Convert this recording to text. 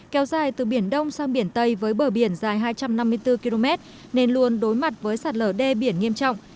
kéo dài từ biển đông sang biển tây với bờ biển dài hai trăm năm mươi bốn km nên luôn đối mặt với sạt lở đê biển nghiêm trọng